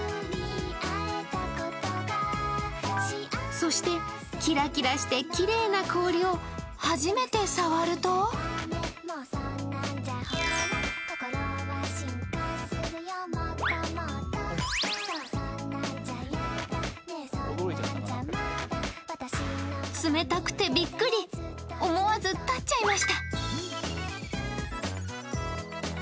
そしてキラキラしてきれいな氷を初めて触ると冷たくてびっくり、思わず立っちゃいました。